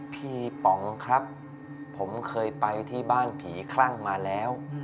ป๋องครับผมเคยไปที่บ้านผีคลั่งมาแล้ว